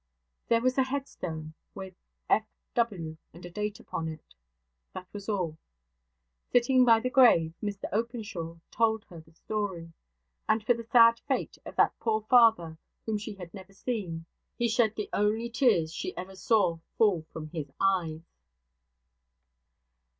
There was a headstone, with F.W. and a date upon it. That was all. Sitting by the grave, Mr Openshaw told her the story; and for the sad fate of that poor father whom she had never seen, he shed the only tears she ever saw fall from his eyes.